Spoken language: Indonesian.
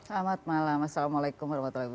selamat malam assalamualaikum wr wb